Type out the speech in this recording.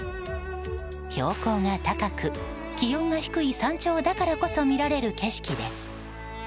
標高が高く、気温が低い山頂だからこそ見られる景色です。